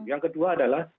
yang kedua adalah